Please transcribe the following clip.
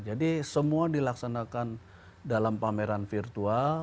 jadi semua dilaksanakan dalam pameran virtual